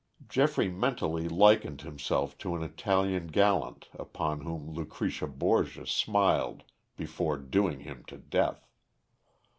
Geoffrey mentally likened himself to an Italian gallant upon whom Lucretia Borgia smiled before doing him to death.